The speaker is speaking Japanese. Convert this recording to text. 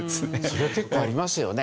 それ結構ありますよね。